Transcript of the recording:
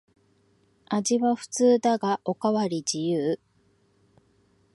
味は普通だがおかわり自由